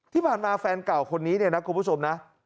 ที่ผ่านมาแฟนเก่าคนนี้เนี่ยนะคุณผู้ชมนะ